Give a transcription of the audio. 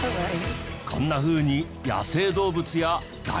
こんなふうに野生動物や大自然。